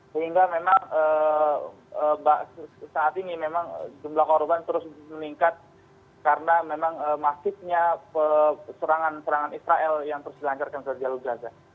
sehingga memang saat ini memang jumlah korban terus meningkat karena memang masifnya serangan serangan israel yang terus dilancarkan ke jalur gaza